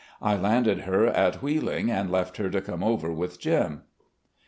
I landed her at Wheeling and left her to come over with Jim."